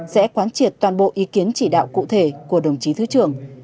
sẽ quán triệt toàn bộ ý kiến chỉ đạo cụ thể của đồng chí thứ trưởng